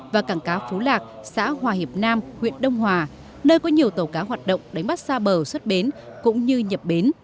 và cảng cá phú lạc xã hòa hiệp nam huyện đông hòa nơi có nhiều tàu cá hoạt động đánh bắt xa bờ xuất bến cũng như nhập bến